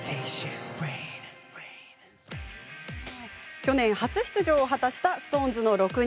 昨年、初出場を果たしたＳｉｘＴＯＮＥＳの６人。